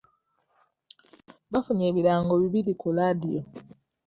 Bafunye ebirango bibiri ku laadiyo.